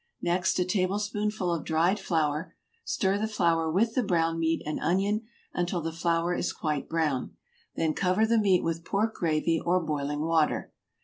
Next a tablespoonful of dried flour; stir the flour with the brown meat and onion until the flour is quite brown; then cover the meat with pork gravy or boiling water.